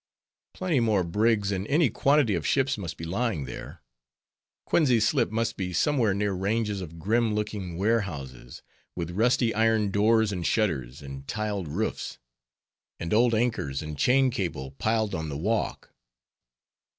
_ Plenty more brigs and any quantity of ships must be lying there. Coenties Slip must be somewhere near ranges of grim looking warehouses, with rusty iron doors and shutters, and tiled roofs; and old anchors and chain cable piled on the walk.